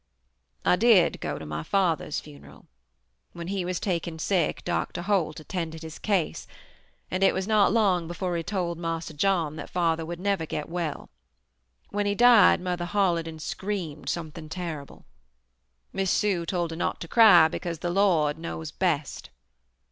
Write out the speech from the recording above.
"I did go to my father's funeral. When he was taken sick Dr. Holt attended his case, and it was not long before he told Marse John that Father would never get well. When he died Mother hollered and screamed something terrible. Miss Sue told her not to cry because, 'the Lord knows best.'